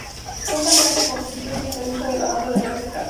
Fue un cantante, compositor y guitarrista de la banda de rock The Cats.